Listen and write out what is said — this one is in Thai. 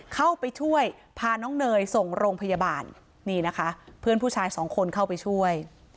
เข้าไปช่วยพาน้องเนยส่งโรงพยาบาลนี่นะคะเพื่อนผู้ชายสองคนเข้าไปช่วย